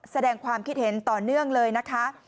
แสดงความคิดเห็นต่อเนื่องเลยนะคะ